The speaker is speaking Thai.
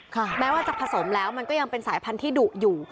แม้ว่าจะผสมแล้วมันก็ยังเป็นสายพันธุ์ดุอยู่